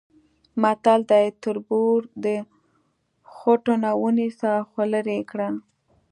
متل دی: تربور د خوټونه ونیسه خولرې یې کړه.